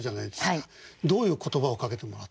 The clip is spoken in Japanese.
どういう言葉をかけてもらったんですか？